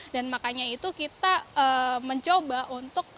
dan makanya itu kita mencoba untuk